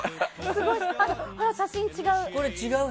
写真、違う。